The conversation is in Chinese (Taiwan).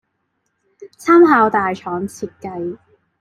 參考大廠設計